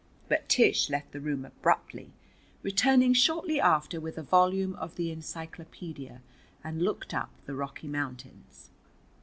But Tish left the room abruptly, returning shortly after with a volume of the encyclopædia, and looked up the Rocky Mountains.